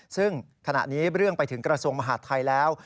ซึ่งขณะนี้เรื่องไปถึงกระทรวงมหาดไทยแล้ว